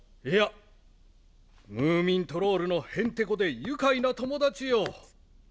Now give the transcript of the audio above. いやムーミントロールのへんてこで愉快な友達よ。